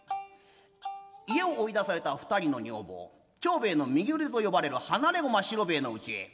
家を追い出された二人の女房長兵衛の右腕と呼ばれる放駒四郎兵衛の家へ。